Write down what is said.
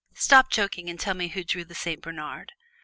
"Stop joking and tell me who drew the Saint Bernard."